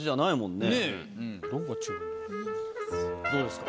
ねぇどうですか？